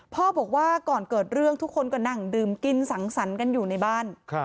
พ่อบอกว่าก่อนเกิดเรื่องทุกคนก็นั่งดื่มกินสังสรรค์กันอยู่ในบ้าน